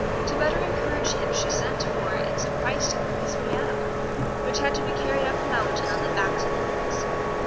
To better encourage him she sent for and surprised him with his piano, which had to be carried up the mountain on the backs of mules.